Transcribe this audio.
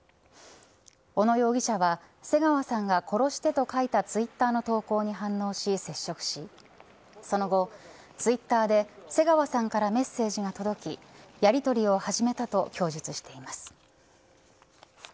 小野容疑者は瀬川さんが殺してと書いたツイッタの投稿に反応し接触しその後、ツイッターで瀬川さんからメッセージが届きやりとりを始めたと供述しています。